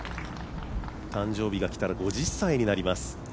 誕生日がきたら５０歳になります。